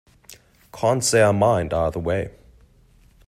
Can't say I mind either way.